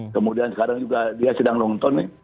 kemudian sekarang juga dia sedang nonton nih